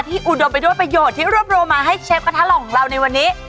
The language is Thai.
อุดมไปด้วยประโยชน์ที่รวบรวมมาให้เชฟกระทะหล่อของเราในวันนี้